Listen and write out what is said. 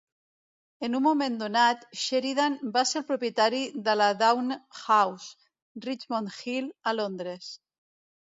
En un moment donat Sheridan va ser el propietari de la Downe House, Richmond Hill, a Londres.